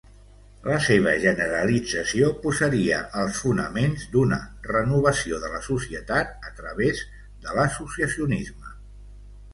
La seva generalització posaria els fonaments d'una renovació de la societat a través de l'associacionisme.